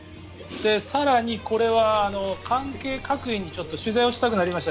更に、これは関係各位にちょっと取材をしたくなりました。